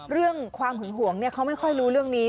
เรื่องความหึงหวงเขาไม่ค่อยรู้เรื่องนี้